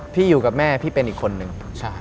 พี่อยู่กับแม่พี่เป็นอีกคนนึง